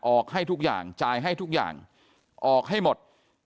ให้ทุกอย่างจ่ายให้ทุกอย่างออกให้หมด